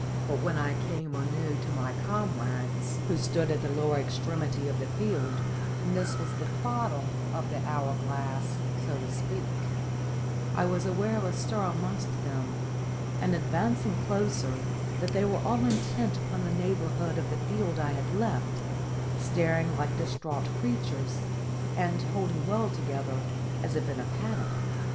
But when I was come anew to my comrades, who stood at the lower extremity of the field and this was the bottom of the hour glass, so to speak I was aware of a stir amongst them, and, advancing closer, that they were all intent upon the neighbourhood of the field I had left, staring like distraught creatures, and holding well together, as if in a panic.